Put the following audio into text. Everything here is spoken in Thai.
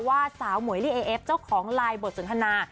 ว่าสาวหมวยลีเอเอฟเจ้าของไลน์บทสนทนา